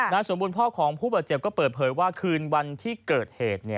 สมบูรณพ่อของผู้บาดเจ็บก็เปิดเผยว่าคืนวันที่เกิดเหตุ